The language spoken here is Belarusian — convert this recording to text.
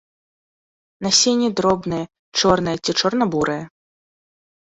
Насенне дробнае, чорнае ці чорна-бурае.